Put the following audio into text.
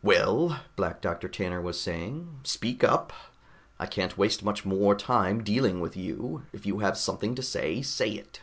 "Well," Black Doctor Tanner was saying, "speak up. I can't waste much more time dealing with you. If you have something to say, say it."